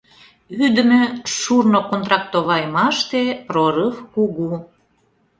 Ӱдымӧ шурно контрактовайымаште прорыв кугу.